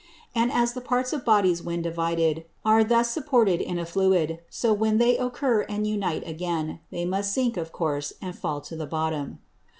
And as the Parts of Bodies when divided, are thus supported in a Fluid; so when they occur and unite again, they must sink of course, and fall to the Bottom.